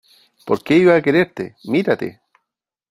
¿ Por qué iba a quererte ?¡ mírate !